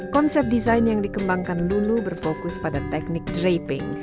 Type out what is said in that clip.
konsep desain yang dikembangkan lulu berfokus pada teknik draping